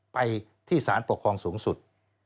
ไปที่สารปกครองสูงสุด